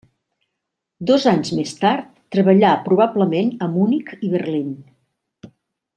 Dos anys més tard treballà probablement a Munic i Berlín.